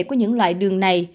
của những loại đường này